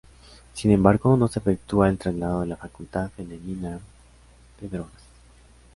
Sin embargo no se efectúa el traslado de la facultad femenina de drogas.